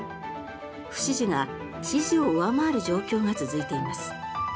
不支持が支持を上回る状況が続いています。